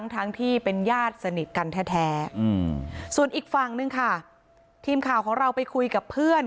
ทั้งที่เป็นญาติสนิทกันแท้ส่วนอีกฝั่งนึงค่ะทีมข่าวของเราไปคุยกับเพื่อน